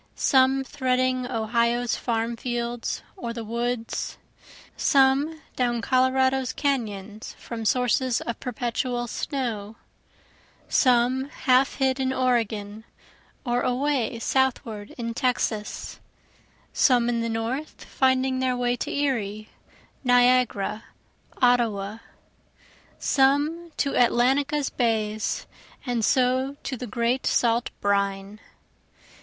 Some threading Ohio's farm fields or the woods, Some down Colorado's canons from sources of perpetual snow, Some half hid in Oregon, or away southward in Texas, Some in the north finding their way to Erie, Niagara, Ottawa, Some to Atlantica's bays, and so to the great salt brine.